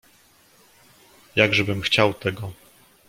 "Jakżebym chciał tego!"